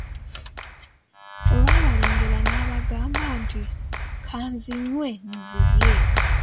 Olwabalengera n'agamba nti:"kanzinywe nzirye"